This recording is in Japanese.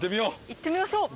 いってみましょう。